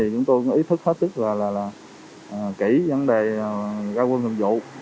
chúng tôi ý thức hết sức và kỹ vấn đề ra quân thường vụ